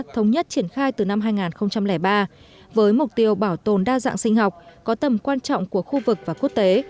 thống nhất triển khai từ năm hai nghìn ba với mục tiêu bảo tồn đa dạng sinh học có tầm quan trọng của khu vực và quốc tế